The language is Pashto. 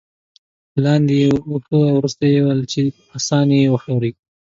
لاندې یې واښه ورته اېښي ول چې اسان یې وخوري.